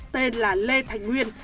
tên là lê thành nguyên